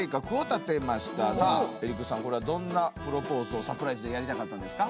これはどんなプロポーズをサプライズでやりたかったんですか？